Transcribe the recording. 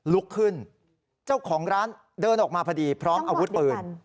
ลุกขึ้นเจ้าของร้านเดินออกมาพอดีพร้อมอาวุธปืน